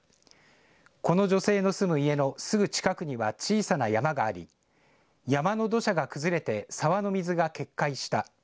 この女性の住む家のすぐ近くには小さな山があり、山の土砂が崩れて沢の水が決壊した。